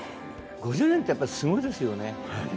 ５０年ってすごいですよね。